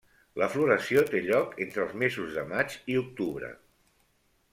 La floració té lloc entre els mesos de maig i octubre.